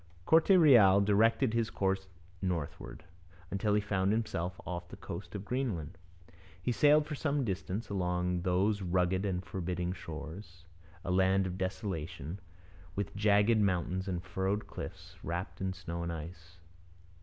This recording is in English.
Corte Real directed his course northward, until he found himself off the coast of Greenland. He sailed for some distance along those rugged and forbidding shores, a land of desolation, with jagged mountains and furrowed cliffs, wrapped in snow and ice.